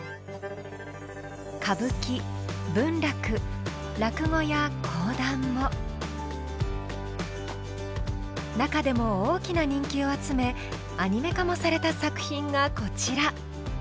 歌舞伎文楽落語や講談も中でも大きな人気を集めアニメ化もされた作品がこちら。